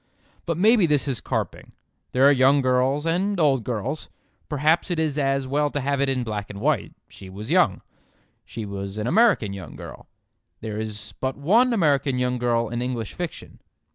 But maybe this is carping. There are young girls and old girls. Perhaps it is as well to have it in black and white; she was young. She was an American young girl. There is but one American young girl in English fiction.